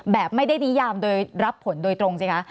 แบบไม่ได้นิยามโดยรับผลโดยตรงสิคะ